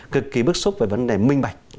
cực kỳ bức xúc về vấn đề minh bạch